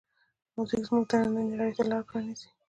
موزیک زمونږ دنننۍ نړۍ ته لاره پرانیزي.